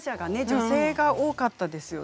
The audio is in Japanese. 女性が多かったですよね。